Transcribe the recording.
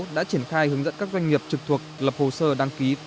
đã triển khai hướng dẫn các doanh nghiệp trực thuộc lập hồ sơ đăng ký